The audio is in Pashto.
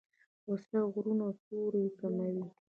وسله غرونه سوری کوي